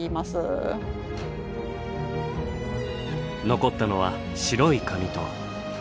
残ったのは白い紙と。